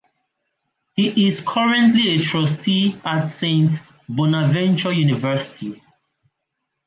He is currently a Trustee at Saint Bonaventure University.